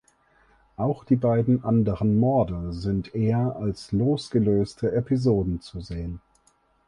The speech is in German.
Auch die beiden anderen Morde sind eher als losgelöste Episoden zu sehen.